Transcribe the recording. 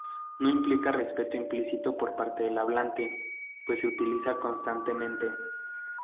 No implica respeto implícito por parte del hablante, pues se utiliza constantemente.